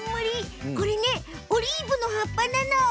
これねオリーブの葉っぱなの。